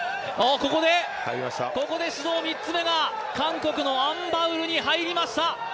ここで指導３つ目が韓国のアン・バウルに入りました。